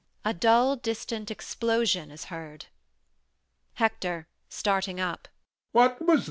A dull distant explosion is heard. HECTOR [starting up]. What was that?